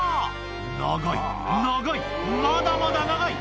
長い、長い、まだまだ長い。